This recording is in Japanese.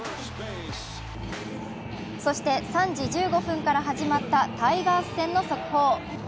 そして３時１５分から始まったタイガース戦の速報。